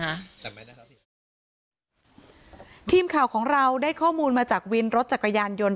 จำไม่ได้ครับทีมข่าวของเราได้ข้อมูลมาจากวินรถจักรยานยนต์